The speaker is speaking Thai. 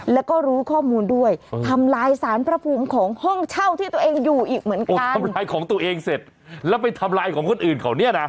แล้วก็รู้ข้อมูลด้วยทำลายสารพระภูมิของห้องเช่าที่ตัวเองอยู่อีกเหมือนกันทำลายของตัวเองเสร็จแล้วไปทำลายของคนอื่นเขาเนี่ยนะ